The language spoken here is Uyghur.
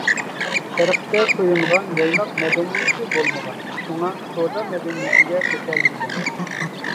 شەرقتە تويۇنغان يايلاق مەدەنىيىتى بولمىغان، شۇڭا سودا مەدەنىيىتىگە ئۆتەلمىگەن.